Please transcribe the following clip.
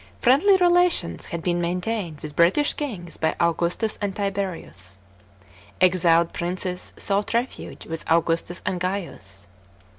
Friendly relations had been maintained with British kings by Augustus and Tiberius. Exiled princes sought refuge with Augustus and Gaius.